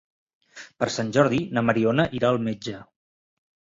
Per Sant Jordi na Mariona irà al metge.